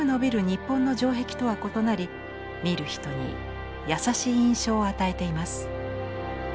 日本の城壁とは異なり見る人に優しい印象を与えています。